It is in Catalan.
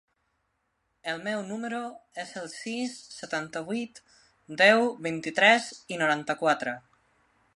El meu número es el sis, setanta-vuit, deu, vint-i-tres, noranta-quatre.